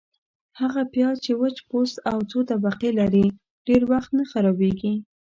- هغه پیاز چي وچ پوست او څو طبقې لري، ډېر وخت نه خرابیږي.